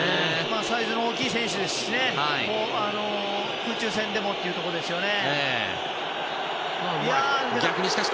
サイズの大きい選手ですし空中戦でもってところですよね。